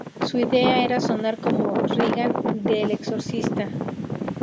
Su idea era sonar como Regan de El exorcista.